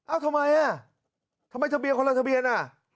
ทำไมอ่ะทำไมทะเบียนคนละทะเบียนอ่ะ